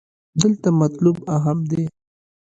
دلته مطلوب اهم دې.